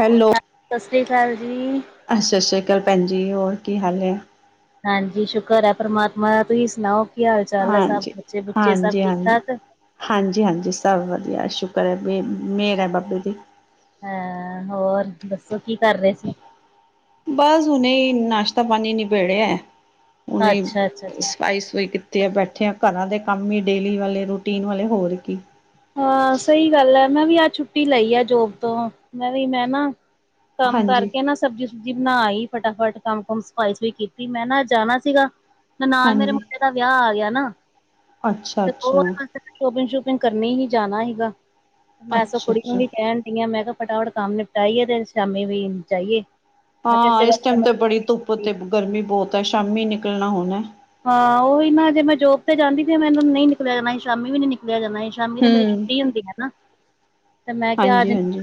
Hello, ਸਤਿ ਸ੍ਰੀ ਆਕਾਲ ਜੀ। ਅੱਛ ਸਤਿ ਸ਼੍ਰੀ ਅਕਾਲ ਭੈਣ ਜੀ, ਹੋਰ ਕੀ ਹਾਲ ਏ? ਹਾਂਜੀ ਸ਼ੁਕਰ ਹੈ ਪਰਮਾਤਮਾ ਦਾ, ਤੁਸੀਂ ਸੁਣਾਓ ਕੀ ਹਾਲ -ਚਾਲ ਐ, ਸਭ ਹਾਂਜੀ, ਬੱਚੇ -ਬੁੱਚੇ ਸਭ ਹਾਂਜੀ, ਠੀਕ ਹਾਂਜੀ। -ਠਾਕ ਹਾਂਜੀ -ਹਾਂਜੀ ਸਭ ਵਧੀਆ, ਸ਼ੁਕਰ ਹੈ ਬ ਮਿਹਰ ਐ ਬਾਬੇ ਦੀ ਐਂਹ ਹੋਰ, ਦੱਸੋ ਕੀ ਕਰਦੇ ਸੀ? ਬਸ ਹੁਣੇ ਈ ਨਾਸ਼ਤਾ, ਪਾਣੀ ਨਿਬੇੜਿਆ, ਉਹਨੇ ਅੱਛਾ ਅੱਛਾ ਜੀ। ਸਫਾਈ -ਸਫੁਈ ਕੀ ਜੇ ਬੈਠੇ ਆ ਘਰਾਂ ਦੇ ਕੰਮ ਹੀ ਡੇਲੀ ਵਾਲੇ ਰੂਟੀਨ ਵਾਲੇ ਹੋਰ ਕੀ ਹਾਂ ਸਹੀ ਗਲ ਏ ਮੈਂ ਵੀ ਆਜ ਛੁੱਟੀ ਲਈ ਆ ਜੋਬ ਤੋਂ ਮੈਂ ਵੀ ਮੈਂ ਨਾ ਕੰਮ ਹਾਂਜੀ, ਕਰਕੇ ਨਾ ਸਬਜ਼ੀ ਸੁਬਜ਼ੀ ਬਣਾ ਆਈ ਫਟਾ ਫੱਟ ਕੰਮ ਕੁਮ ਸਫ਼ਾਈ ਸੁਫੂਈ ਕੀਤੀ ਮੈਂ ਨਾ ਜਾਣਾਂ ਸੀਗਾ। ਨਨਾਨ ਮੇਰੇ ਹਾਂਜੀ, ਮੁੰਡੇ ਦਾ ਵਿਆਹ ਆ ਗਿਆ ਨਾ ਅੱਛਾ, ਤੇ ਉਹ ਅੱਛਾ, ਬਸ ਸ਼ੋਪਿੰਗ ਸ਼ੂਪਿੰਗ, ਕਰਨੀ ਹੀ ਜਾਣਾ ਸੀਗਾ ਮੈਂ ਸੋ ਅੱਛਾ, ਕੁੜੀ ਨੂੰ ਅੱਛਾ। ਵੀ ਕਹਿਣ, ਡਈ ਆ ਮੈਂ ਕਿਹਾ ਫਟਾਫੱਟ ਕੰਮ ਨਿਪਟਾਈਏ ਤੇ ਸ਼ਾਮੀ ਵੀ ਜਾਈਏ, ਮੈਂ ਕਿਹਾ ਹਾਂ ਇਸੇ ਇਸ ਕਰਕੇ ਟਾਈਮ ਤੇ ਬੜੀ ਧੁੱਪ ਮੈਂ ਤੇ ਗਰਮੀ ਬਹੁਤ ਹੈ ਸ਼ਾਮੀ ਨਿਕਲਣਾ ਹੋਣਾ, ਹਾਂ ਉਹੀ ਨਾ ਜੇ ਮੈਂ ਜੋਬ ਤੇ ਜਾਂਦੀ ਤੇ ਮੈਂ ਇਹਨੂੰ ਨਹੀਂ ਨਿਕਲਿਆ ਜਾਣਾ ਸੀ ਸ਼ਾਮੀ ਵੀ ਨੀ ਨਿਕਲਿਆ ਜਾਣਾ- ਸ਼ਾਮੀ ਤਾਂ ਮੇਰੀ ਹੂੰ, ਛੁੱਟੀ ਹੁੰਦੀ ਆ ਨਾ ਤੇ ਮੈਂ ਕਿਹਾ ਆ ਹਾਂਜੀ, ਜਾਂਦੀ, - ਹਾਂਜੀ।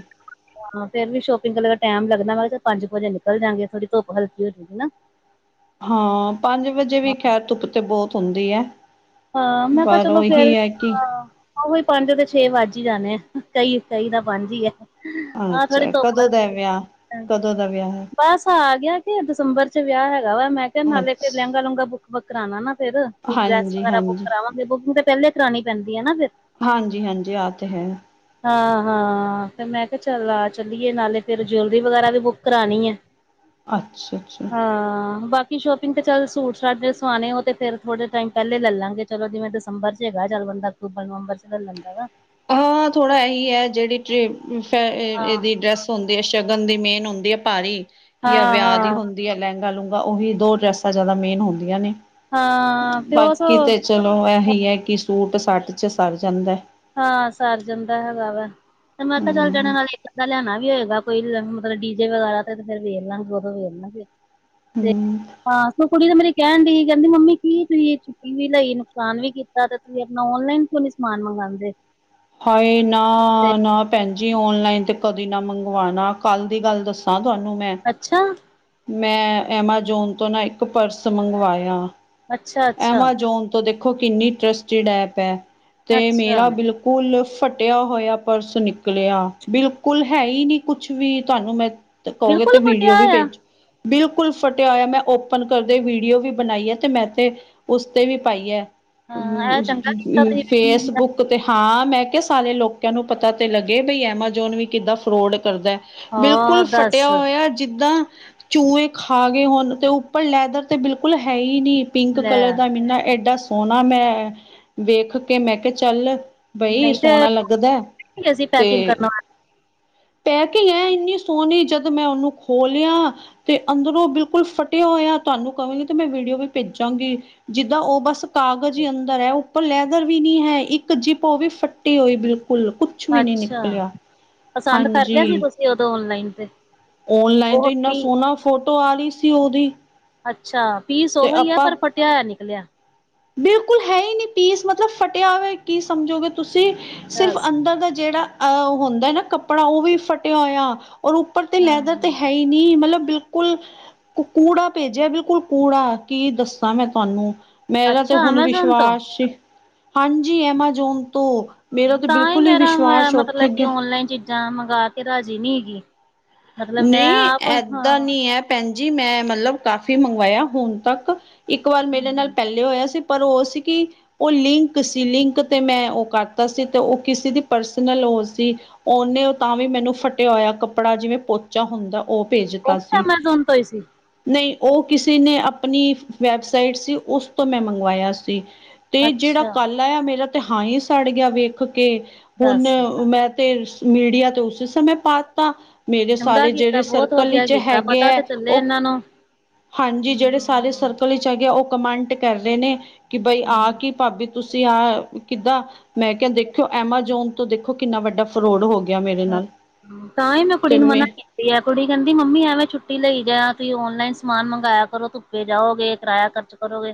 ਹਾਂ ਫਿਰ ਵੀ ਸ਼ੋਪਿੰਗ ਚ ਟਾਈਮ ਲੱਗਦਾ ਮੈਂ ਕਿਹਾ ਚ ਪੰਜ ਵਜੇ ਨਿਕਲ ਜਾਂਗੇ ਥੋੜੀ ਧੁੱਪ ਹਲਕੀ ਹੋਜੂਗੀ ਨਾ, ਹਾਂ, ਪੰਜ ਵਜੇ ਵੀ ਖੈਰ ਧੁੱਪ ਤੇ ਬਹੁਤ ਹੁੰਦੀ ਹੈ, ਹਾਂ ਮੈਂ ਕਿਹਾ ਪਰ ਚਲੋ ਫੇਰ ਉਹੀ ਹੈ ਵੀ, ਕਿ ਔਹੀ ਪੰਜ ਤੇ ਛੇ ਵੱਜ ਹੀ ਜਾਣੇ ਆ ਕਈ ਕਈ ਦਾ ਪੰਜ ਈ ਹੈ, ਆਹ ਥੋੜੀ ਅੱਛਾ ਧੁੱਪ ਕਦੋਂ ਦਾ ਹਲਕੀ ਵਿਆਹ ਕਦੋਂ ਦਾ ਵਿਆਹ ਹੈ ਬਸ ਆ ਗਿਆ। ਦਸੰਬਰ ਚ ਵਿਆਹ ਹੈਗਾ ਵਾ ਮੈਂ ਕਿਹਾ ਨਾਲੇ ਫੇਰ ਲਹਿੰਗਾ ਅੱਛਾ ਲੂੰਗਾ ਬੁੱਕ ਬਾਕ ਕਰਾਉਣਾ ਨਾ ਫੇਰ ਕੋਈ- ਹਾਂਜੀ ਹਾਂਜੀ ਆਪਣੀ ਬੁਕਿੰਗ ਤੇ ਪਹਿਲੇ ਹੀ ਕਰਾਣੀ ਪੈਂਦੀ ਹੈ ਨਾ ਫ਼ਿਰ, ਹਾਂਜੀ, ਹਾਂਜੀ ਆ ਤੇ ਹੈ, ਹਾਂ ਹਾਂ ਫੇਰ ਮੈਂ ਕਿਹਾ ਚੱਲ ਆ ਚੱਲੀਏ ਨਾਲੇ ਫਿਰ ਜੁਲਰੀ ਵਗੈਰਾ ਵੀ ਬੁੱਕ ਕਰਾਣੀ ਹੈ। ਅੱਛਾ, ਅੱਛਾ। ਹਾਂ ਬਾਕੀ ਸ਼ੋਪਿੰਗ ਤੇ ਚੱਲ ਸੂਟ ਸ਼ਾਟ ਜੇ ਸਵਾਣੇ ਉਹ ਤੇ ਫਿਰ ਥੋੜੇ ਟਾਈਮ ਪਹਿਲੇ ਲਵਾਂਗੇ ਚਲੋ ਜਿਵੇ ਦਸੰਬਰ ਚ ਹੈਗਾ ਚੱਲ ਬੰਦਾ ਅਕਤੂਬਰ ਨਵੰਬਰ ਚ ਲੈ ਲੈਂਦਾ ਵਾ, ਹਾਂ ਥੋੜ੍ਹਾ ਇਹੀ ਹੈ ਜਿਹੜੀ ਟ੍ਰੀ ਹਾਂ ਇਹਦੀ ਡਰੈਸ ਹੁੰਦੀ ਹੈ ਸ਼ਗਨ ਦੀ ਮੇਨ ਹੁੰਦੀ ਹੈ ਭਾਰੀ ਜਾਂ ਹਾਂ ਵਿਆਹ ਦੀ ਹਾਂ ਹੁੰਦੀ ਦੀ ਆ ਲਹਿੰਗਾ ਲੂੰਗਾ ਉਹੀ ਦੋ ਡਰੈਸਾਂ ਜਿਆਦਾ ਮੇਨ ਹੁੰਦੀਆਂ ਨੇ ਹਾਂ ਤੇ ਉਹ ਸੋ ਬਾਕੀ ਤੇ ਚਲੋ ਇਹੀ ਹੈ ਕਿ ਸੂਟ ਸਾਟ 'ਚ ਸਰ ਜਾਂਦਾ ਹਾਂ ਸਰ ਜਾਂਦਾ ਹੈਗਾ ਵਾ ਤੇ ਮੈਂ ਕਿਹਾ ਚੱਲ ਜਿਹੜਾ ਹਮ ਨਾਲ ਇਕ ਦਾ ਲਿਆਣਾ ਵੀ ਹੋਏਗਾ ਕੋਈ ਮਤਲਬ ਡੀਜੇ ਵਗੈਰਾ ਤੇ ਫੇਰ ਵੇਖ ਲਾਗੇ ਉਹਦੋ ਵੇਖ ਲਾਗੇ ਤੇ ਹਮ ਹਾਂ ਸੋ ਕੁੜੀ ਤਾਂ ਮੇਰੀ ਕਹਿਣ ਡਈ ਕਹਿੰਦੀ ਮੰਮੀ ਕੀ ਤੁਸੀਂ ਵੀ ਲਈ ਨੁਕਸਾਨ ਵੀ ਕੀਤਾ ਤੇ ਤੁਸੀਂ ਆਪਣਾ ਔਨਲਾਈਨ ਕਿਉਂ ਨੀ ਸਮਾਨ ਮੰਗਉਂਦੇ ਹਾਏ ਨਾ ਨਾ ਭੈਣਜੀ ਓਨਲਾਈਨ ਤੇ ਕਦੇ ਨਾ ਮੰਗਵਾਉਣਾ ਕੱਲ ਦੀ ਗੱਲ ਦੱਸਾਂ ਤੁਹਾਨੂੰ ਮੈਂ, ਅੱਛਾ ਮੈਂ ਐਮਾਜੋਨ ਤੋਂ ਨਾ ਇੱਕ ਪਰਸ ਮੰਗਵਾਇਆ ਅੱਛਾ ਅੱਛਾ ਐਮਾਜੋਨ ਤੋ ਦੇਖੋ ਕਿੰਨੀ ਇੰਟਰਸਟੀਡ ਐਪ ਹੈ ਤੇ ਅੱਛਾ ਮੇਰਾ ਬਿਲਕੁਲ ਕੁਲ ਫਟਿਆ ਹੋਇਆ ਪਰਸ ਨਿਕਲਿਆ ਬਿਲਕੁਲ ਹੈ ਹੀ ਨਹੀਂ ਕੁਛ ਵੀ ਤੁਹਾਨੂੰ ਮੈਂ ਤੇ ਕਹੋਗੇ ਬਿਲਕੁਲ ਤੇ ਵੀਡੀਓ ਫਟਿਆ ਵੀ ਹੋਇਆ ਭੇਜਾ ਬਿਲਕੁਲ ਫਟਿਆ ਹੋਇਆ ਮੈਂ ਓਪਨ ਕਰਦੇ ਵੀਡੀਓ ਵੀ ਬਣਾਈ ਆ ਤੇ ਮੈਂ ਤੇ, ਉਸ ਤੇ ਵੀ ਪਾਈ ਏ ਹਾਂ ਅਮ ਇਹ ਚੰਗਾ ਕੀਤਾ ਅਮ ਤੁਸੀਂ ਫੇਸਬੁੱਕ, ਤੇ ਹਾਂ ਮੈਂ ਕਿਹਾ ਸਾਰੇ ਲੋਕਾਂ ਨੂੰ ਪਤਾ ਤੇ ਲੱਗੇ ਬਈ ਐਮਾਜੋਨ ਵੀ ਕਿੱਦਾਂ ਫਰੋਡ ਕਰਦਾ, ਹਾਂ ਬਿਲਕੁਲ ਫਟਿਆ ਦੱਸ ਹੋਇਆ। ਜਿੱਦਾਂ ਚੂਹੇ ਖਾ ਗਏ ਹੋਣ ਤੇ ਉੱਪਰ ਲੈਦਰ ਤੇ ਬਿਲਕੁਲ ਹੈ ਈ ਹੀ ਨਹੀਂ, ਪਿੰਕ ਲੈ ਕਲਰ ਦਾ ਮੀਨਾ ਏਡਾ ਸੋਹਣਾ ਮੈਂ ਵੇਖ ਕੇ ਮੈਂ ਕਿਹਾ ਚੱਲ, ਬਈ ਨਹੀਂ ਤੇ ਸੋਹਣਾ ਲੱਗਦਾ ਅਸੀਂ ਪੈਕਿੰਗ ਤੇ, ਕਰਨ ਪੈਕਿੰਗ ਏ ਇੰਨੀ ਸੋਹਣੀ ਜਦੋਂ ਮੈਂ ਉਹਨੂੰ ਖੋ ਲਿਆ, ਤੇ ਅੰਦਰੋਂ ਬਿਲਕੁਲ ਫਟੇਆ ਹੋਏਆ, ਤੁਆਨੂੰ ਕਵਾਂਗੀ ਤੇ ਮੈਂ ਵੀਡੀਓ ਵੀ ਪੇਜਾਂਗੀ। ਜਿੱਦਾ ਓ ਬਾੱਸ ਕਾਗਜ਼ ਈ ਅੰਦਰ ਐ, ਉੱਪਰ ਲੈਦਰ ਵੀ ਨੀ ਹੈ, ਇੱਕ ਜਿਪ ਪਾਵੀ ਫੱਟੀ ਹੋਈ ਬਿਲਕੁਲ ਕੁ ਅੱਛਾ, ਪਸੰਦ ਕਰ ਲੇਆ ਸੀ ਹਾਂਜੀ ਤੁਸੀ ਓਦੋਂ ਓਨਲਾਈਨ ਤੇ ਓਨਲਾਈਨ ਉਹ ਤੇ ਏਨਾ ਵੀ ਸੋਨਾ ਫੋਟੋ ਆ ਰੀ ਸੀ ਓਦੀ। ਅੱਛਾ, ਪੀਸ ਓਹੋ ਈ ਐ ਪਰ ਫਟੇਆ ਹੋਏਆ ਨਿਕਲੇਐ। ਬਿਲਕੁਲ ਹੈ ਈ ਨੀ ਪੀਸ ਮਤਲਬ ਫਟੇਆ ਹੋਵੈ ਕੀ ਸਮਝੋਗੇ ਤੁਸੀ ਸਿਰਫ਼ ਦੱਸ ਅੰਦਰ ਦਾ ਜੇੜਾ ਅ ਹੁੰਦੈ ਨਾ ਕੱਪੜਾ, ਓਵੀ ਫਟੇਆ ਹੋਯਾ ਓਰ ਓਪ ਉੱਪਰ ਤੇ ਲੈਦਰ ਤੇ ਹੈ ਈ ਨੀ, ਮਲਬ ਬਿਲਕੁਲ ਕੂੜਾ ਪੇਜੇਐ ਬਿਲਕੁਲ ਕੂੜਾ, ਕੀ ਦੱਸਾਂ ਮੈਂ ਤੁਆਨੂੰ ਮੇਰਾ ਤੇ ਅੱਛਾ ਹੁਨ ਐਮਾਜ਼ੋਨ ਤੋਂ ਵਿਸ਼ਵਾਸ, ਹਾਂਜੀ ਐਮਾਜੋਨ ਤੋ। ਤਾਂ ਈ ਮੇਰਾ ਮੈਂ ਮਤਲ ਕਿ ਓਨਲਾਈਨ ਚੀਜ਼ਾਂ ਮੰਗਾ ਕੇ ਰਾਜੀ ਨੀ ਹਗੀ। ਨਈਂ ਐਦਾਂ ਨੀ ਐ। ਪੈਨ ਜੀ ਮੈਂ ਮਲਬ ਕਾਫ਼ੀ ਮੰਗਵਾਯਾ ਹੁਨ ਤੱਕ, ਇੱਕ ਵਾਰ ਮੇਰੇ ਨਾਲ ਪੈਲੇ ਹੋਯਾ ਸੀ। ਪਰ ਓ ਸੀ ਕਿ ਓ ਲਿੰਕ ਸੀ ਲਿੰਕ, ਤੇ ਮੈਂ ਓ ਕਾਰਤਾ ਸੀ ਤੇ ਓ ਕਿਸੇ ਦੀ ਪਰਸਨਲ ਓ ਸੀ। ਓਨੇ ਤਾਂ ਵੀ ਮੈਨੂੰ ਫਟੇਆ ਹੋਏਆ ਕੱਪੜਾ ਜਿਵੇਂ ਪੋਚਾ ਹੁੰਦਾ ਓ ਉਹ ਭੇਜਤਾ ਵੀ ਸੀ। ਐਮਾਜ਼ੋਨ ਤੋਂ ਹੀ ਸੀ ਨਈ ਓ ਕਿਸੇ ਨੇ ਅਪਨੀ ਵੈੱਬਸਾਈਟ ਸੀ, ਉਸ ਤੋਂ ਮੈਂ ਮੰਗਵਾਯਾ ਸੀ। ਤੇ ਜੇੜਾ ਅੱਛਾ ਕੱਲ ਆਯਾ ਮੇਰਾ ਤੇ ਹਾਂ ਈ ਸਾੜ ਗੇਆ ਵੇਖ ਕੇ, ਹੁਨ ਦੱਸ ਮੈਂ ਤੇ ਮੀਡੀਆ ਤੇ ਉਸੇ ਸਮੇਂ ਪਾ ਤਾ ਮੇਰੇ ਚੰਗਾ ਸਾਲੇ ਜੇੜੇ ਕੀਤਾ ਬਹੁਤ ਸਰਕਲ ਵਧੀਆ ਇੱਚ ਕੀਤਾ ਹੈਗੇ ਪਤਾ ਐ ਤੇ ਚੱਲੇ ਓ, ਇਹਨਾਂ ਨੂੰ ਹਾਂਜੀ ਜੇੜੇ ਸਾਰੇ ਹਮ ਸਰਕਲ ਇੱਚ ਹੈਗੇ ਐ ਓ ਕਮੈਂਟ ਕਰ ਰੇ ਨੇ, ਕਿ ਬਈ ਹਮ ਆ ਕੀ ਪਾਬੀ ਤੁਸੀ ਆ ਕਿੱਦਾ ਮੈਂ ਕੇਆ ਦੇਖੇਯੋ ਐਮਾਜੋਨ ਤੋਂ ਦੇਖੋ ਕਿੰਨਾ ਵੱਡਾ ਫਰੋਡ ਹੋ ਗੇਆ ਮੇਰੇ ਨਾਲ, ਤਾਂ ਹੀ ਮੈਂ ਕੁੜੀ ਤੇ ਨੂੰ ਮੇਂ ਮਨਾ ਕੁੜੀ ਕੈਂਦੀ ਮੰਮੀ ਐਵੇਂ ਛੁੱਟੀ ਲਈ ਜਾ, ਤੁਸੀ ਓਨਲਾਈਨ ਸਮਾਨ ਮੰਗਾਯਾ ਕਰੋ ਧੁੱਪੇ ਜਾਓਗੇ ਕਿਰਾਯਾ ਖਰਚ ਕਰੋਗੇ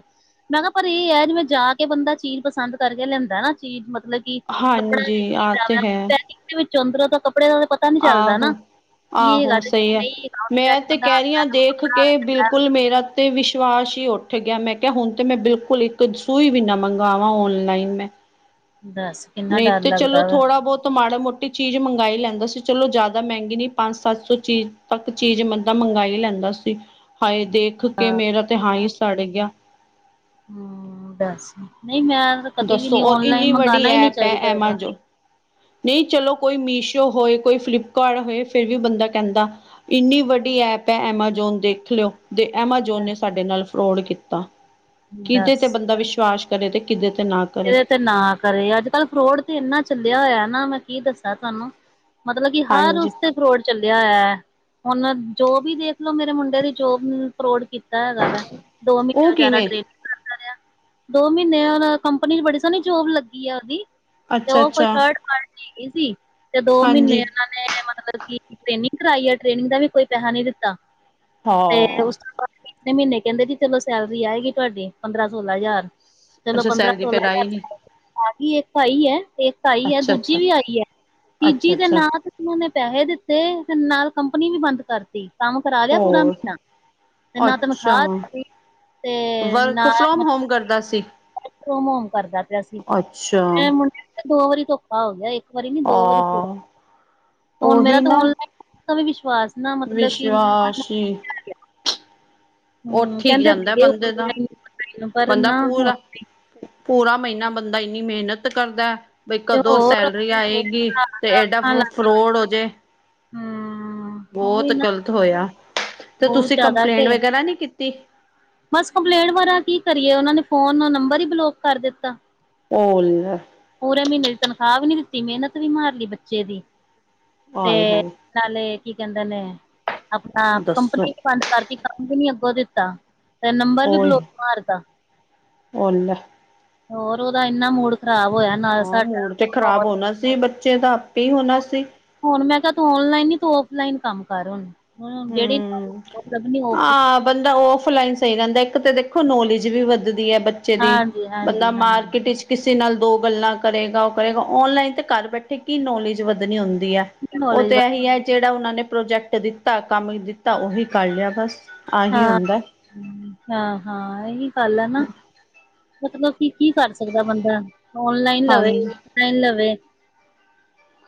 ਮੈਂ ਕਾ ਪਰ ਏ ਐ ਜਿਵੇਂ ਜਾ ਕੇ ਬੰਦਾ ਚੀਜ਼ ਪਸੰਦ ਕਾਰਕੇ ਲੈਂਦੈ ਨਾ ਚੀਜ਼ ਮਤਲ ਕਿ ਕਪੱੜਾ ਹਾਂਜੀ ਦੇਖੀ ਆਹ ਤੇ ਜਾਵੈ, ਹੈ। ਪੈਕਿੰਗ ਦੇ ਵਿੱਚੋ ਅੰਦਰੋ ਤਾ ਕੱਪੜੇ ਦਾ ਤੇ ਪਤਾ ਪਤਾ ਨੀ ਚੱਲਦਾ ਨਾ ਆਹੋ ਕੀ ਆਹੋ ਹੈਗਾ ਤੇ ਸਹੀ ਕੀ ਹੈ ਨਈ ਹੈਗਾ, ਫਿਰ ਐ ਮੈਂ ਤੇ ਬੰਦਾ ਕਹਿ ਰਹੀ ਹਾਂ ਦੇਖ ਕੇ ਬਿਲਕੁਲ ਮੇਰਾ ਤੇ ਵਿਸ਼ਵਾਸ ਈ ਓਠ ਗੇਐ ਮੈਂ ਕੇਆ ਹੁਨ ਤੇ ਮੈਂ ਬਿਲਕੁਲ ਈ ਕਦੇ ਸੂਈ ਵੀ ਨਾ ਮੰਗਵਾਵਾ ਓਨਲਾਈਨ ਮੈਂ। ਦਾੱਸ ਨਈ ਤੇ ਚਲੋ ਥੋੜਾ ਬੋਤ ਮਾੜਾ ਮੋਟਾ ਚੀਜ਼ ਮੰਗਾ ਈ ਲੈਂਦਾ ਸੀ ਚਲੋ ਜਾਦਾ ਮੈਂਗੀ ਨੀ, ਪੰਜ-ਸੱਤ ਸੌ ਚੀਜ਼ ਤੱਕ ਚੀਜ਼ ਬੰਦਾ ਮੰਗਾ ਈ ਲੈਂਦਾ ਸੀ। ਹਾਏ ਦੇਖ ਕੇ ਮੇਰਾ ਤੇ ਹਾਂ ਈ ਸੜ ਗੇਆ। ਹੂੰ, ਦਾੱਸ ਨਈਂ ਮੈਂ ਕਦੀ ਵੀ ਦੱਸੋ ਨੀ ਔਰ ਓਨਲਾਈਨ ਇੰਨੀ ਵੱਡੀ ਮੰਗਾਨਾ ਈ ਨੀ ਚਾਹੀਦਾ। ਨਈ ਚਲੋ ਕੋਈ ਮੀਸ਼ੋ ਹੋਏ, ਕੋਈ ਫਲਿੱਪਕਾਰਟ ਹੋਏ ਫੇਰ ਵੀ ਬੰਦਾ ਕੈਂਦਾ ਇੰਨੀ ਵੱਡੀ ਐਪ ਐ ਐਮਾਜੋਨ ਦੇਖ ਲੇਓ। ਦੇ ਐਮਾਜੋਨ ਨੇ ਸਾਡੇ ਨਾਲ ਫਰੋਡ ਕੀਤਾ, ਕੀਦੇ ਤੇ ਦੱਸ ਬੰਦਾ ਵਿਸ਼ਵਾਸ ਘਰੇ ਤੇ ਕੀਦੇ ਤੇ ਨਾ ਕਰੇ ਇਹ ਤੇ ਨਾ ਕਰੇ। ਅੱਜ ਕੱਲ੍ਹ ਫਰੋਡ ਤੇ ਇੰਨਾ ਚੱਲਿਆ ਹੋਇਆ ਨਾ ਮੈਂ ਕੀ ਦੱਸਾਂ ਤੁਹਾਨੂੰ ਮਤਲਬ ਕਿ ਹਰ ਹਾਂਜੀ ਉਸਤੇ ਫਰੋਡ ਚੱਲਿਆ ਹੈ, ਹੁਣ ਜੋਬ ਵੀ ਦੇਖਲੋ ਮੇਰੇ ਮੁੰਡੇ ਦੀ ਜੋਬ ਫਰੋਡ ਕੀਤੀ ਕੀਤਾ ਹੈਗਾ ਵਾ ਦੋ ਮਹੀਨੇ ਉਹ ਵਿਚਾਰਾ ਕਿਵੇਂ ਟੇਨਿੰਗ ਕਰਦਾ ਰਿਹਾ, ਦੋ ਮਹੀਨੇ ਉਹ ਕੰਪਨੀ 'ਚ' ਬੜੀ ਸੋਣੀ ਜੋਬ ਲੱਗੀ ਆ ਉਹਦੀ। ਤੇ ਅੱਛਾ ਉਹ ਕੋਈ ਅੱਛਾ ਥਰਡ ਪਾਰਟੀ ਹੈਗੀ ਸੀ, ਤੇ ਦੋ ਮਹੀਨੇ ਹਾਂਜੀ ਏਨਾਂ ਨੇ ਮਤਲਬ ਕਿ ਟ੍ਰੇਨਿੰਗ ਕਰਾਈ ਏ ਟ੍ਰੇਨਿੰਗ ਦਾ ਵੀ ਕੋਈ ਪੈਹਾ ਨੀ ਦਿੱਤਾ ਤੇ ਹਾਂ ਉਸ ਤੀਸਰੇ ਮੀਨੇ ਕੈਂਦੇ ਜੀ, ਚਲੋ ਸੈਲਰੀ ਆਏਗੀ ਤੁਹਾਡੀ ਪੰਦਰਾਂ-ਸੋਲਾਂ ਹਜ਼ਾਰ ਚਲੋ ਪੰਦਰਾਂ ਫੇਰ ਆਈ ਨੀ ਹਾਜੀ ਇੱਕ ਪਾਈ ਆ, ਇੱਕ ਆਈ ਆ ਅੱਛਾ ਦੂਜ਼ੀ ਅੱਛਾ ਵੀ ਆਈ ਆ ਤੀਜੀ ਅੱਛਾ ਦੇ ਅੱਛਾ ਨਾਲ ਉਨਾਂ ਨੇ ਪੈਹੇ ਦਿੱਤੇ ਫੇਰ ਨਾਲ ਕੰਪਨੀ ਵੀ ਬੰਦ ਕਰਤੀ ਕੰਮ ਕਰਾ ਲਿਆ ਪੂਰਾ ਹੋਰ ਮੀਨਾ ਤੇ ਨਾ ਅੱਛਾ ਤਨਖਾਹ ਦਿੱਤੀ, ਤੇ ਵਰਕ ਨਾ ਫਰੋਮ ਹੋਮ ਕਰਦਾ ਸੀ [unintelligible] ਰੋਮ ਹੋਮ ਕਰਦਾ ਪਿਆ ਸੀ ਅੱਛਾ ਐ, ਮੁੰਡੇ ਦੋ ਵਾਰੀ ਧੋਖਾ ਹੋ ਗਿਆ, ਇੱਕ ਵਾਰੀ ਨੀ ਦੋ ਵਾਰੀ ਹਾਂ ਹੁਨ ਮੇਰਾ ਤਾਂ ਔਲਾਈਨ ਵੀ [unintelligible] ਵਿਸ਼ਵਾਸ ਨਾ ਮਤਲਬ ਕਿ ਵਿਸ਼ਵਾਸੀ ਹੂੰ ਉਹਥੀ ਕਹਿੰਦੇ ਜਾਂਦਾ ਸੀਗੇ ਬੰਦੇ ਦਾ ਔਨਲਾਈਨ ਪਰ ਬੰਦਾ ਨਾ ਹੁਣ ਪੂਰਾ। ਪੂਰਾ ਮਈਨਾ ਬੰਦਾ ਏਨੀ ਮਿਹਨਤ ਕਰਦੈ ਬਈ ਤੇ ਕਦੋਂ ਹੋਰ ਸੈਲਰੀ ਆਏਗੀ ਤੇ ਇਡਾ ਅੱਖਾਂ ਲੱਗ ਫਰੋਡ ਹੋ ਜੇ। ਹੂੰ ਬੋਤ ਉਹੀ ਨਾ ਗ਼ਲਤ ਹੋਏਆ, ਤੇ ਬਹੁਤ ਤੁਸੀਂ ਜ਼ਿਆਦਾ ਕੰਪਲੇਂਟ ਕੇ ਵਗੈਰਾ ਨੀ ਕੀਤੀ? ਬਸ ਕੰਪਲੇਂਟ ਵਗੈਰਾ ਕੀ ਕਰੀਏ। ਉਹਨਾਂ ਨੇ ਫੋਨ ਦਾ ਨੰਬਰ ਹੀ ਬਲੋਕ ਕਰ ਦਿੱਤਾ। ਓਲੈ ਪੂਰੇ ਮੀਨੇ ਦੀ ਤਨਖਾ ਵੀ ਨੀ ਦਿੱਤੀ ਮਿਹਨਤ ਵੀ ਮਾਰ ਲੀ ਬੱਚੇ ਦੀ, ਤੇ ਆਏ ਹਾਏ ਨਾਲੇ, ਕੀ ਕੈਂਦੇ ਨੇ, ਅਪਨਾ ਦੱਸੋ ਕੰਪਨੀ ਕਰਤੀ ਕੰਮ ਵੀ ਨੀ ਅੱਗੋਂ ਦਿੱਤਾ 'ਤੇ ਨੰਬਰ ਵੀ ਉਹੀ ਬਲੋਤ ਮਾਰਤਾ। ਉਹ ਲੈ। ਹੋਰ ਉਦਾ ਇੰਨਾ ਮੂਡ ਖਰਾਬ ਹੋਇਆ। ਨਾਲ ਹਾਂ ਸਾਡਾ ਮੂਡ ਤੇ ਹੋਰ ਖ਼ਰਾਬ ਹੋਣਾ ਸੀ, ਬੱਚੇ ਦਾ ਆਪੇ ਹੀ ਹੋਣਾ ਸੀ। ਹੁਣ ਮੈਂ ਕਿਹਾ ਤੂੰ ਔਨਲਾਈਨ ਨੀ ਤੂੰ ਔਫਲਾਈਨ ਕੰਮ ਕਰ ਹੁਣ ਹੁਣ ਜਿਹੜੀ ਹੂੰ, ਲੱਭਣੀ ਔਫ ਆ ਬੰਦਾ ਔਫਲਾਈਨ ਸਈ ਰੈਂਦੈ ਇੱਕ ਤਾਂ ਦੇਖੋ ਨੌਲੇਜ ਵੀ ਵੱਧਦੀ ਹੈ ਬ ਚੇ ਦੀ ਹਾਂਜੀ ਬੰਦਾ ਹਾਂਜੀ ਹਾਂ। ਮਾਰਕੀਟ ਇੱਚ ਕਿਸੇ ਨਾਲ ਦੋ ਗੱਲਾਂ ਕਰੇਗਾ ਓ ਕਰੇਗਾ ਔਨਲਾਈਨ ਤਾਂ ਘਰ ਬੈਠੇ ਕੀ ਨੌਲੇਜ ਵੱਧਣੀ ਹੁੰਦੀ ਐ। ਓ ਨੌਲੇਜ ਤੇ ਐਹੀ ਐ ਜੇੜਾ ਓਨਾਂ ਨੇ ਪ੍ਰੋਜੈਕਟ ਦਿੱਤਾ ਕੰਮ ਦਿੱਤਾ ਓਹੀ ਕਰ ਲੇਆ ਬਸ ਆਹੀ ਹੁੰਦਾ ਹਾਂ-ਹਾਂ ਐਹੀ ਗੱਲ ਆ ਨਾ। ਮਤਲਬ ਕੀ-ਕੀ ਕਰ ਸਕਦਾ ਬੰਦਾ, ਔਨਲਾਈਨ ਲਵੇ ਹਾਂਜੀ ਔਫਲਾਈਨ ਲਵੇ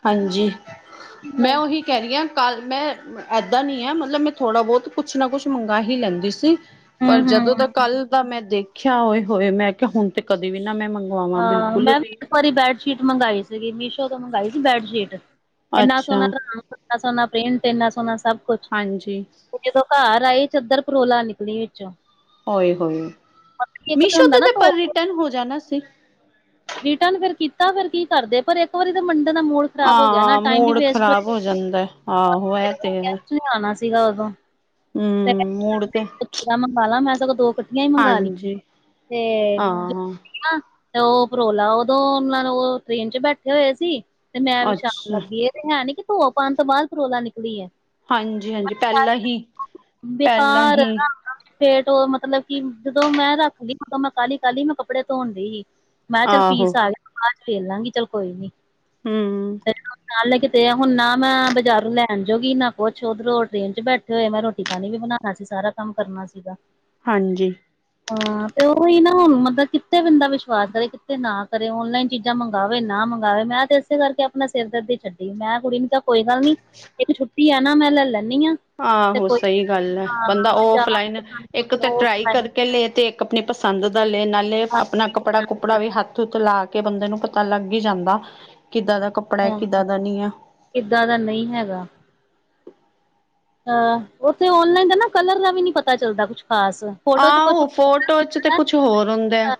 ਹਾਂਜੀ‌। ਮੈਂ ਹੂੰ ਉਹੀ ਕੈ ਰਈ ਆਂ ਕੱਲ ਮੈਂ ਐਦਾਂ ਨੀ ਆ ਮਲਵ ਮੈਂ ਥੋੜਾ-ਬਹੋਤ ਕੁੱਛ ਨਾ ਕੁੱਛ ਮੰਗ ਹੀ ਲੈਂਦੀ ਸੀ। ਪਰ ਜਦੋਂ ਦਾ ਹੂੰ। ਕੱਲ ਦਾ ਮੈਂ ਦੇਖਿਆ ਹੋਏ ਹੋਏ, ਮੈਂ ਕਿਹਾ ਹੁਣ ਤੇ ਕਦੇ ਵੀ ਨਾ ਮੈਂ ਮੰਗਾਂ। ਹਾਂ। ਮੈਂ ਵੀ ਇੱਕ ਵਾਰੀ ਬੈਡਸ਼ੀਟ ਮੰਗਵਾਈ ਸੀਗੀ ਮੀਸ਼ੋ ਤੋਂ ਮੰਗਵਾਈ ਸੀ ਬੈਡਸ਼ੀਟ। ਇੰਨਾ ਅੱਛਾ ਸੋਹਣਾ ਰੰਗ ਇੰਨਾ ਸੋਹਣਾ ਪ੍ਰਿੰਟ ਇਨਾ ਸੋਹਣਾ ਸਭ ਕੁਝ ਹਾਂਜੀ। ਉਹ ਜਦੋਂ ਘਰ ਆਈ ਚੱਦਰ ਪਰੋਲਾ ਨਿਕਲੀ ਵਿੱਚੋਂ ੳਏ-ਹੋਏ, ਇੱਕ ਤਾਂ ਮੀਸ਼ੋ ਹੁੰਦਾ ਤੋਂ ਨਾ ਤੇ ਧੋ ਪਰ ਰਿਟਰਨ ਹੋ ਜਾਨਾ ਸੀ। ਰੀਟਨ ਫੇਰ ਕੀਤਾ ਫੇਰ ਕੀ ਕਰਦੇ ਪਰ ਇੱਕ ਵਾਰੀ ਤਾਂ ਮੰਡੇ ਦਾ ਮਲ ਆ ਮੂਡ ਖ਼ਰਾਬ ਹੋ ਜਾਂਦੈ, ਆਹੋ ਏ ਤੇ ਐ। ਲੇਆਨਾ ਸੀਗਾ ਉਦੋਂ [inaudible] 'ਤੇ ਮੂਡ ਤੇ [inaudible] ਮੰਗਾਲਾ ਮੈਂ ਸਗੋਂ ਦੋ ਮੈਂ ਮੰਗਾ ਲੀ, ਹਾਂਜੀ ਤੇ ਹਾਂ ਤੇ ਓ ਪਰੋਲਾ ਓਦੋਂ ਉਹਨਾਂ ਨੂੰ ਟ੍ਰੇਨ ਚ ਬੈਠੇ ਹੋਏ ਸੀ। ਤੇ ਮੈਂ ਵਿਸ਼ਾਨ ਅੱਛਾ ਲੱਗੀ, ਏ ਤੇ ਹੈਨੀ ਕਿ ਪੁਆ ਪਾਨ ਤੋਂ ਬਾਦ ਪਰੋਲਾ ਨਿਕਲੀ ਏ। ਹਾਂਜੀ ਹਾਂਜੀ ਅੱਛਾ, ਪਹਿਲਾਂ ਹੀ ਪਹਿਲਾਂ ਬੇਕਾਰ ਏ ਹੀ ਨਾ ਫੇਟ ਓ ਮਤਲਬ ਕਿ ਜਦੋਂ ਮੈਂ ਰੱਖਦੀ ਉਦੋਂ ਮੈਂ ਕਾਲੀ-ਕਾਲੀ ਮੈਂ ਕੱਪੜੇ ਤੋਨ ਦੀਹੀ। ਮੈਂ ਚੱਲ ਆਹੋ ਫੀਸ ਆਲੇ ਬਾਦ ਚ ਵੇਖ ਲਾਂਗੀ, ਚੱਲ ਕੋਈ ਨੀ ਹਮ। [unintelligible] ਨਾਲ ਲੈ ਕਿੱਤੇ ਆ ਹੁਣ ਨਾ ਮੈਂ ਬਾਜ਼ਾਰ ਲੈਣ ਜੋਗੀ ਨਾ ਕੁਛ ਉਧਰੋਂ ਟ੍ਰੇਨ ਚ ਬੈਠੇ ਹੋਏ, ਮੈਂ ਰੋਟੀ ਪਾਣੀ ਵੀ ਬਣਾਉਣਾ ਸੀ ਸਾਰਾ ਕੰਮ ਕਰਨਾ ਸੀਗਾ। ਹਾਂਜੀ। ਹਾਂ ਤੇ ਉਹੀ ਨਾ ਹੁਣ ਮਤਲਬ ਕਿੱਥੇ ਬੰਦਾ ਵਿਸ਼ਵਾਸ ਕਰੇ, ਕਿੱਥੇ ਨਾ ਕਰੇ। ਔਨਲਾਈਨ ਚੀਜ਼ਾਂ ਮੰਗਾਵੇ, ਨਾ ਮੰਗਗਾਵੇ। ਮੈਂ ਤੇ ਇਸੇ ਕਰਕੇ ਆਪਣਾ ਸਿਰ ਦਰਦ ਹੀ ਛੱਡੀ, ਮੈਂ ਕੁੜੀ ਨੂੰ ਤਾਂ ਕੋਈ ਗੱਲ ਨੀ ਇੱਕ ਛੁੱਟੀ ਆ ਨਾ ਮੈਂ ਲੈ ਲੈਣੀ ਆ ਆਹੋ ਸਹੀ ਗੱਲ ਹੈ, ਬੰਦਾ ਜਾਣਾ ਔਫਲਾਈਨ ਇੱਕ ਤੇ ਟਰਾਈ ਕਰਕੇ ਲੈ ਤੇ ਆਪਣੀ ਪਸੰਦ ਦਾ ਲੈਣ, ਨਾਲੇ ਹਾਂ ਆਪਣਾ ਕੱਪੜਾ, ਕੁਪੜਾ ਵੀ ਹੱਥ ਤੁਤਲਾਕੇ ਬੰਦੇ ਨੂੰ ਪਤਾ ਲੱਗ ਹੀ ਜਾਂਦਾ, ਕਿੱਦਾਂ ਦਾ ਕਪ ਹੋ ਕਿੱਦਾਂ ਦਾ ਨਹੀਂ ਹੈਗਾ। ਅ ਉੱਥੇ ਆਨਲਾਈਨ ਦਾ ਨਾ ਕਲਰ ਦਾ ਵੀ ਨਹੀਂ ਪਤਾ ਚੱਲਦਾ ਕੁਛ ਖ਼ਾਸ। ਫੋਟੋ ਚ ਆਹ ਉਹ ਫੋਟੋ ਚ ਤੇ ਕੁਛ ਹੋਰ ਹੁੰਦਾਂ ਐ।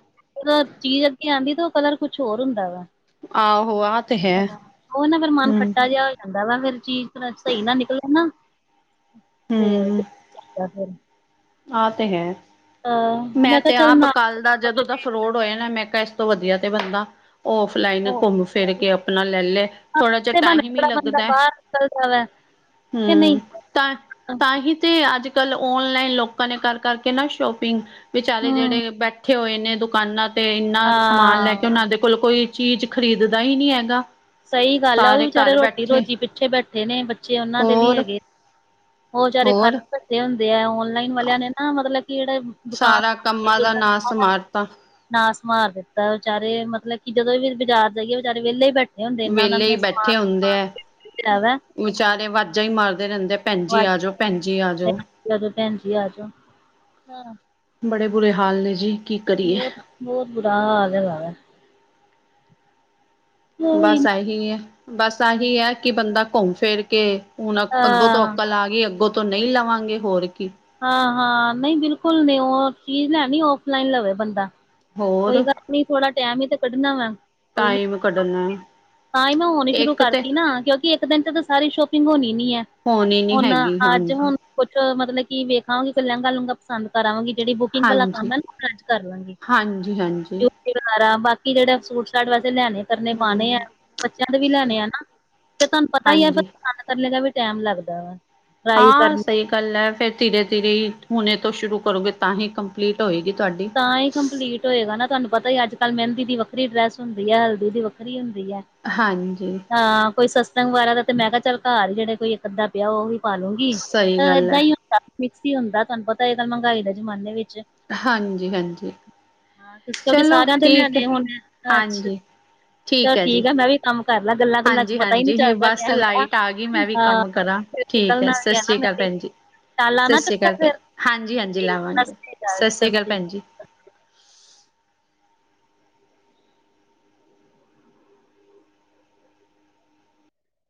ਚੀਜ਼ ਅੱਗੇ ਆਂਦੀ ਤਾਂ ਉਹ ਕਲਰ ਕੁਛ ਹੋਰ ਹੁੰਦਾਂ ਵਾ। ਆਹੋ ਆਹ ਤੇ ਹੈ ਹ ਉਹ ਨਾ ਫਿਰ ਮਨ ਹਮ ਖੱਟਾ ਜਿਹਾ ਹੋ ਜਾਂਦਾ ਵਾ, ਫਿਰ ਚੀਜ਼ ਸਹੀ ਨਾ ਨਿਕਲੇ ਨਾ। ਹਮ [unintelligible] ਆਹ ਤੇ ਹੈ। ਅਹ ਮੈਂ ਕਿਹਾ ਤੇ ਚੱਲ ਆਪ ਨਾ ਕੱਲ ਦਾ ਜਦੋਂ ਦਾ ਫਰੋਡ ਹੋਇਆ ਨਾ, ਮੈਂ ਕਿਹਾ ਇਸ ਤੋਂ ਵਧੀਆ ਤੇ ਬੰਦਾ ਔਫ ਲਾਈਨ ਘੁੰਮ ਫਿਰ ਕੇ ਆਪਣਾ ਲੈ ਲੇ, ਥੋੜਾ ਜਿਹਾ ਇਸੇ ਬਹਾਨੇ ਟਾਈਮ ਹੀ ਜਿਹੜਾ ਬੰਦਾ ਲੱਗਦਾ ਹੈ। [unintelligible] ਕਿ ਹਮ ਨਹੀਂ ਤਾਂ ਤਾਂ ਹੀ ਤੇ ਅੱਜ ਕੱਲ ਔਨਲਾਈਨ ਲੋਕਾਂ ਨੇ ਕਰ ਕਰਕੇ ਨਾ ਸ਼ੋਪਿੰਗ ਵਿਚਾਰੇ ਹੂੰ ਜਿਹੜੇ ਬੈਠ ਬੈਠੇ ਹੋਏ ਨੇ ਦੁਕਾਨਾਂ ਤੇ ਇਨਾ ਸਮਾਨ ਲੈ ਕੇ ਹਾਂ ਉਹਨਾਂ ਦੇ ਕੁੱਲ ਕੋਈ ਚੀਜ਼ ਖਰੀਦ ਦਾ ਹੀ ਨਹੀਂ ਹੈਗਾ। ਸਹੀ ਗੱਲ ਆ ਉਹ ਵੀ ਸਾਰੇ ਵਿਚਾਰੇ ਘਰ ਰੋਟੀ ਬੈਠੇ ਰੋਜ਼ੀ ਪਿੱਛੇ ਬੈਠੇ ਨੇ, ਬੱਚੇ ਉਹਨਾਂ ਦੇ ਵੀ ਹੋਰ, ਹੈਗੇ ਉਹ ਵਿਚਾਰੇ ਹੋਰ [unintelligible] ਬੈਠੇ ਹੁੰਦੇ ਆ ਓਨਲਾਈਨ ਵਾਲਿਆਂ ਨੇ ਨਾ ਮਤਲਬ ਕਿ ਜਿਹੜੇ ਦੁਕਾਨ ਸਾਰਾ ਕੰਮਾਂ ਦਾ ਨਾਂਸ ਮਾਰਤਾ। ਨਾਸ ਮਾਰ ਦਿੱਤਾ ਵਿਚਾਰੇ ਮਤਲਬ ਕਿ ਜਦੋਂ ਵੀ ਅਸੀਂ ਬਾਜ਼ਾਰ ਜਾਈਏ ਵਿਚਾਰੇ ਵਿਹਲੇ ਹੀ ਬੈਠੇ ਹੁੰਦੇ ਇਨਾਂ ਵਿਹਲੇ ਹੀ ਨੇ ਸਮਾਨ ਬੈਠੇ ਹੁੰਦੇ ਐ। [inaudible] ਵਾ। ਵਿਚਾਰੇ ਵਾਜਾਂ ਹੀ ਮਾਰਦੇ ਰਹਿੰਦੇ, ਭੈਣ ਜੀ ਆ ਜਾਓ, ਭੈਣ ਜੀ ਆ ਜਾਓ। ਭੈਣ ਜੀ ਆ ਜੋ ਹਾਂ। ਬੜੇ ਬੁਰੇ ਹਾਲ ਨੇ ਜੀ। ਕੀ ਕਰੀਏ। ਬਹੁਤ-ਬਹੁਤ ਬੁਰਾ ਹਾਲ ਹੋਇਆ ਵ ਬਸ ਇਹੀ ਹੈ, ਬਸ ਇਹੀ ਹੈ ਕਿ ਬੰਦਾ ਘੁੰਮ ਫਿਰ ਕੇ ਹੁਣ ਅਕ ਅੱਗੋਂ ਤੋਂ ਹਾਂ ਆ ਗਈ, ਅੱਗੋਂ ਤੋਂ ਨਹੀਂ ਲਵਾਂਗੇ ਹੋਰ ਕੀ। ਹਾਂ, ਹਾਂ ਨਹੀਂ ਬਿਲਕੁਲ ਨਹੀਂ। ਉਹ ਚੀਜ਼ ਲੈਣੀ ਔਫਲਾਈਨ ਲਵੇ ਬੰਦਾ। ਕੋਈ ਹੋਰ ਗੱਲ ਨੀ ਥੋੜਾ ਟੈਮ ਹੀ ਤੇ ਕੱਢਣਾ ਵਾ, ਕੱਢ ਲਵਾਂਗੇ ਕੋਈ ਨੀ। ਟਾਈਮ ਕੱਢਣਾ ਤਾਂ ਹੀ ਮੈਂ ਹੋਣੀ ਸ਼ੁਰੂ ਇੱਕ ਤੇ ਕਰਤੀ ਨਾ, ਕਿਉਂਕਿ ਇੱਕ ਦਿਨ ਚ ਤੇ ਤਾਂ ਸਾਰੀ ਸ਼ੋਪਿੰਗ ਹੋਣੀ ਨੀ ਐ। ਹੋਣੀ ਨੀ ਹੁਣ ਹੈਗੀ ਅੱਜ ਹਾਂਜੀ ਹੁਣ ਕੁਛ ਮਤਲਬ ਕਿ ਵੇਖਾਗੇ ਕਿ ਲਹਿੰਗਾ ਲੂੰਘਗਾ ਪਸੰਦ ਕਰਾ ਆਵਾਂਗੀ, ਜਿਹੜੀ ਬੁਕਿੰਗ ਵਾਲਾ ਕੰਮ ਹੈ ਨਾ ਅੱਜ ਕਰ ਲਵਾਂਗੀ। ਹਾਂਜੀ-ਹਾਂਜੀ। ਕੀ ਕਰਾਂ ਬਾਕੀ ਜਿਹੜਾ ਸੂਟ ਸਾਟ ਵੈਸੇ ਲਿਆਣੇ ਕਰਨੇ ਪਾਣੇ ਹੈ, ਹਮ ਬੱਚਿਆਂ ਦੇ ਵੀ ਲਿਆਣੇ ਆ ਨਾ, ਤੇ ਫਿਰ ਤੁਹਾਨੂੰ ਪਤਾ ਹੀ ਫਿਰ ਹਾਂਜੀ [unintelligible] ਕਰਨੇ ਦਾ ਵੀ ਟਾਈਮ ਲੱਗਦਾ ਵਾ। ਟਰਾਈ ਹਾਂ ਕਰਨੀ ਸਈ ਇਕੱਲਾ ਐ ਫਿਰ ਧੀਰੇ ਧੀਰੇ ਹੀ ਹੁਣੇੇ ਤੋਂ ਸ਼ੁਰੂ ਕਰੋਗੇ ਤਾਂਹੀ ਕੰਪਲੀਟ ਹੋਏਗੀ ਤੁਹਾਡੀ ਤਾਂਹੀ ਕੰਪਲੀਟ ਹੋਏਗਾ ਨਾ ਤੁਹਾਨੂੰ ਪਤਾ ਹੀ ਅੱਜ ਕੱਲ੍ਹ ਮਹਿੰਦੀ ਦੀ ਵੱਖਰੀ ਡਰੈੱਸ ਹੁੰਦੀ ਐ ਹਲਦੀ ਦੀ ਵੱਖਰੀ ਹੁੰਦੀ ਐ। ਹਾਂਜੀ, ਹਾਂ ਕੋਈ ਸੰਤ ਸੰਗ ਵਗੈਰਾ ਦਾ ਤੇ ਮੈਂ ਕਿਹਾ ਚਲ ਘਰ ਜਿਹੜੇ ਕੋਈ ਅੱਧਾ ਪਿਆ ਉਹੀ ਪਾਲੂੰਗੀ ਸਹੀ ਅ ਗੱਲ ਏਦਾਂ ਹੈ ਈ ਮਿਕਸੀ ਹੁੰਦਾ ਐ ਤੁਹਾਨੂੰ ਪਤਾ ਇਹ ਗੱਲ ਮਹਿੰਗਾਈ ਦੇ ਜ਼ਮਾਨੇ ਵਿੱਚ ਹਾਂਜੀ, ਹਾਂਜੀ। ਇਸ ਕਰਕੇ ਚਲੋ ਸਾਰਿਆਂ ਦੇ ਠੀਕ ਹੈ ਨਿਆਣੇ ਹੁਣ ਅੱਛਾ, ਹਾਂਜੀ ਚੱਲ ਹੈ ਜੀ ਠੀਕ ਆ ਮੈਂ ਵੀ ਹੁਣ ਕੰਮ ਕਰ ਲੈ ਗੱਲਾਂ-ਗੱਲਾਂ ਚ ਪਤਾ ਈ ਨੀ ਹਾਂਜੀ-ਹਾਂਜੀ ਚੱਲਦਾ ਬਸ ਟਾਇਮ ਦਾ ਲਾਈਟ ਆ ਗਈ ਮੈਂ ਵੀ ਕੰਮ ਹਾਂ। ਕਰਾਂ ਠੀਕ ਹੈ ਨਿਕਲਣਾ ਸਤਿ ਗਿਆ ਨਾ ਸ੍ਰੀ ਅਕਾਲ ਮੈਂ ਵੀ ਭੈਣ ਜੀ। ਚੱਲ ਸਤਿ ਲਾਨਾ ਸ਼੍ਰੀ ਅਕਾਲ ਚੱਕਰ ਭੈਣ ਹਾਂਜੀ-ਹਾਂਜੀ ਫਿਰ ਲਾਵਾਂਗੇ ਸਾਸਰੀ ਕਾਲ ਜੀ, ਸਤਿ ਸ਼੍ਰੀ ਅਕਾਲ ਸਾਸਰੀ ਕਾਲ ਭੈਣ ਜੀ